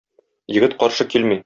Егет каршы килми.